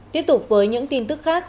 tiếp tục với những tin tức khác